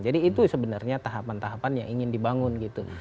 jadi itu sebenarnya tahapan tahapan yang ingin dibangun gitu